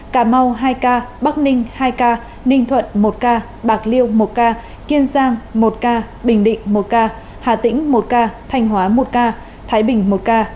cà mau hai ca bắc ninh hai ca ninh thuận một ca bạc liêu một ca kiên giang một ca bình định một ca hà tĩnh một ca thanh hóa một ca thái bình một ca